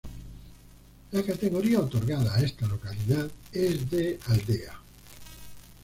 La categoría otorgada a esta localidad es de Aldea.